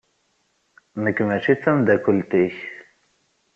Nekk mačči d tameddakelt-ik.